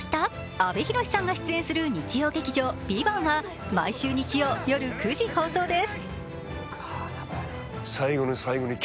阿部寛さんが出演する日曜劇場「ＶＩＶＡＮＴ」は毎週日曜夜９時放送です。